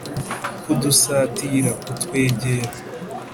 kudusatira: kutwegera